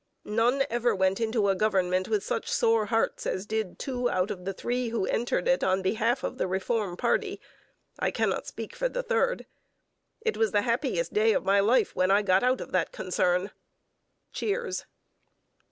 None ever went into a government with such sore hearts as did two out of the three who entered it on behalf of the Reform party I cannot speak for the third. It was the happiest day of my life when I got out of the concern. [Cheers.